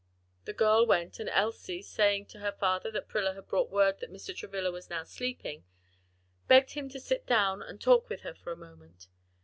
The girl went, and Elsie saying to her father that Prilla had brought word that Mr. Travilla was now sleeping, begged him to sit down and talk with her for a moment.